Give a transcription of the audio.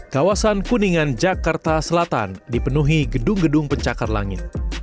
kawasan kuningan jakarta selatan dipenuhi gedung gedung pencakar langit